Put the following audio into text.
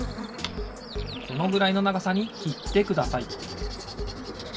このぐらいのながさにきってください